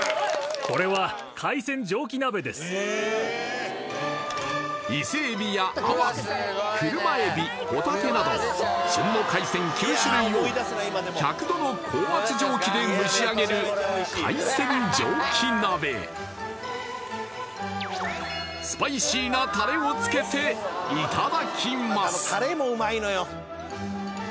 これは伊勢エビやあわび車エビホタテなど旬の海鮮９種類を１００度の高圧蒸気で蒸し上げる海鮮蒸気鍋スパイシーなタレをつけていただきます